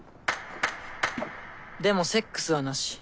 でもセックスはなし。